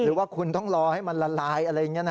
หรือว่าคุณต้องรอให้มันละลายอะไรอย่างนี้นะ